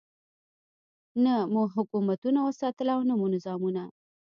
نه مو حکومتونه وساتل او نه مو نظامونه.